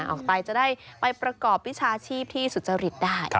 ออกไปจะได้ไปประกอบวิชาชีพที่สุจริตได้